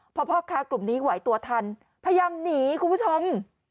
พอพ่อค้ากลุ่มนี้ไหวตัวทันพยายามหนีคุณผู้ชม